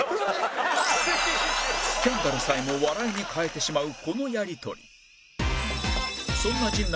スキャンダルさえも笑いに変えてしまうこのやりとり